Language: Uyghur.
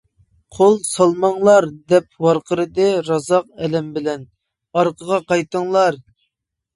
-قول سالماڭلار-دەپ ۋارقىرىدى رازاق ئەلەم بىلەن، -ئارقىغا قايتىڭلار!